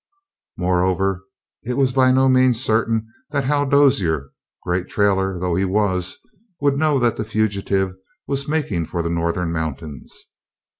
Moreover, it was by no means certain that Hal Dozier, great trailer though he was, would know that the fugitive was making for the northern mountains.